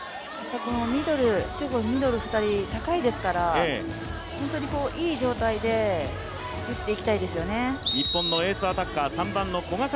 中国のミドル２人、高いですから本当にいい状態で打っていきたいですよね。